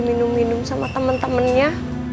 minum minum sama temen temennya